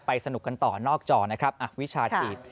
สนุกกันต่อนอกจอนะครับวิชาจีบ